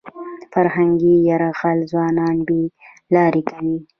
فرهنګي یرغل ځوانان بې لارې کوي.